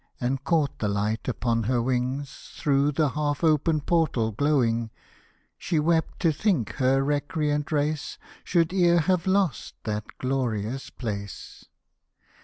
And caught the light upon her wings Through the half open portal glowing, She wept to think her recreant race Should e'er have lost that glorious place